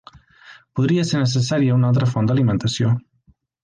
Podria ser necessària una altra font d'alimentació.